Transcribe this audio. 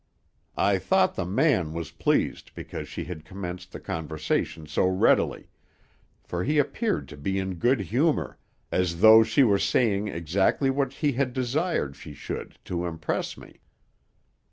"I thought the man was pleased because she had commenced the conversation so readily; for he appeared to be in good humor, as though she were saying exactly what he had desired she should to impress me.